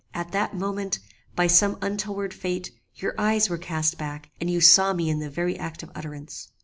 At that moment, by some untoward fate, your eyes were cast back, and you saw me in the very act of utterance.